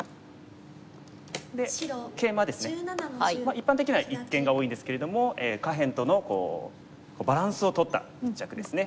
一般的には一間が多いんですけれども下辺とのバランスをとった一着ですね。